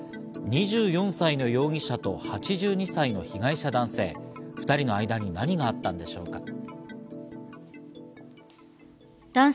２４歳の容疑者と８２歳の被害者男性、２人の間に何があったのでしょうか。